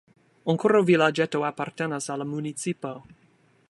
Ankoraŭ vilaĝeto apartenas al la municipo.